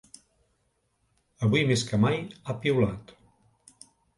Avui més que mai, ha piulat.